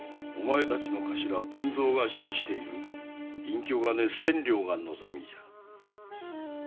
お前たちのカシラ・文造が所持している隠居金千両が望みじゃ